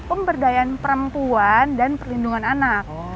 pemberdayaan perempuan dan perlindungan anak